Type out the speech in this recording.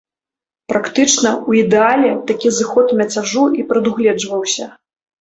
Практычна ў ідэале такі зыход мяцяжу і прадугледжваўся.